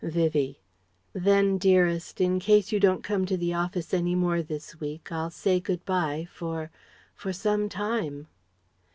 Vivie: "Then, dearest ... in case you don't come to the office any more this week, I'll say good bye for for some time..."